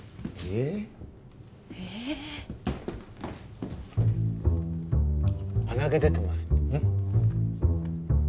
えッ鼻毛出てますよえッ？